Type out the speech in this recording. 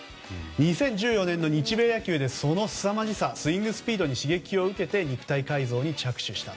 ２０１４年の日米野球でそのすさまじさスイングスピードに刺激を受けて肉体改造に着手した。